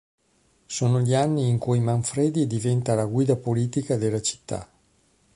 Sono gli anni in cui Manfredi diventa la guida politica della città.